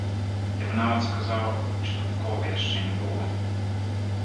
Я б нават сказаў, што такога яшчэ не было.